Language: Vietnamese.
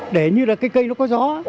để như là cái cây nó có gió